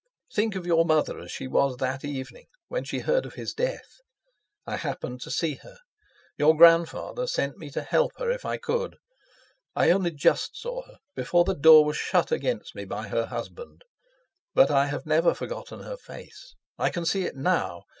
Think of your mother as she was that evening when she heard of his death. I happened to see her. Your grandfather sent me to help her if I could. I only just saw her, before the door was shut against me by her husband. But I have never forgotten her face, I can see it now.